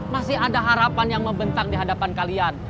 masih ada harapan yang membentang di hadapan kalian